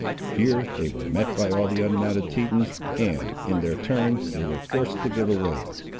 Here they were met by all the unmounted Tetons, and, in their turn, they were forced to give way.